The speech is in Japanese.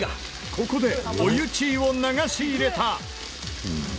ここでお湯チーを流し入れた。